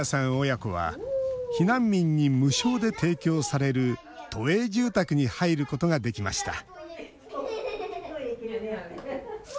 親子は避難民に無償で提供される都営住宅に入ることができました。